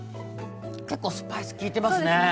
結構スパイス利いてますね。